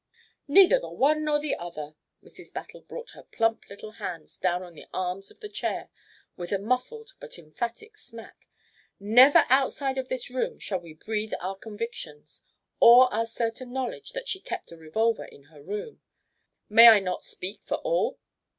"Neither the one nor the other!" Mrs. Battle brought her plump little hands down on the arms of the chair with a muffled but emphatic smack. "Never outside of this room shall we breathe our convictions, or our certain knowledge that she kept a revolver in her room may I not speak for all?"